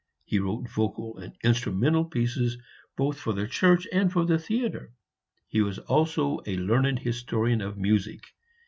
He wrote vocal and instrumental pieces both for the church and for the theatre. He was also a learned historian of music.